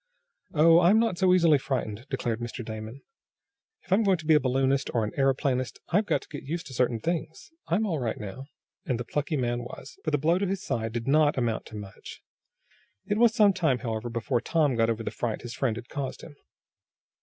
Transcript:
"Oh, I'm not so easily frightened," declared Mr. Damon. "If I'm going to be a balloonist, or an aeroplanist I've got to get used to certain things. I'm all right now," and the plucky man was, for the blow to his side did not amount to much. It was some time, however, before Tom got over the fright his friend had caused him.